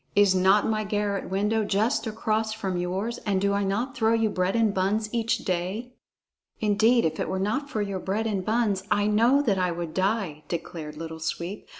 "Is not my garret window just across from yours, and do I not throw you bread and buns each day?" "Indeed, if it were not for your bread and buns, I know that I would die," declared Little Sweep.